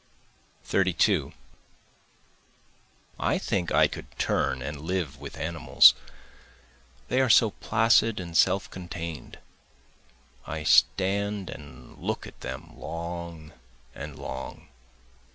32 I think I could turn and live with animals, they are so placid and self contain'd, I stand and look at them long and long.